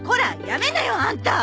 やめなよあんた。